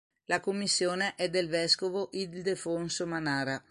La commissione è del vescovo Ildefonso Manara.